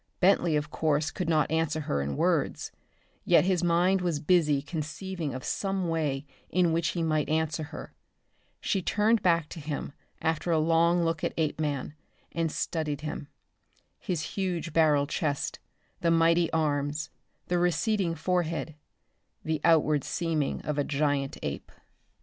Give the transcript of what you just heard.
Bentley of course could not answer her in words, yet his mind was busy conceiving of some way in which he might answer her. She turned back to him after a long look at Apeman and studied him. His huge barrel chest, the mighty arms, the receding forehead the outward seeming of a giant ape.